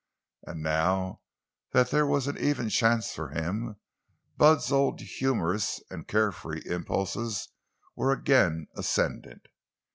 And now that there was an even chance for him, Bud's old humorous and carefree impulses were again ascendant.